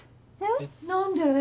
えっ？何で？